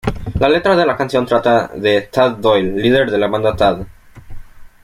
La letra de la canción trata de Tad Doyle, líder de la banda Tad.